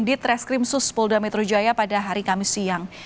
di treskrim suspolda metro jaya pada hari kamis siang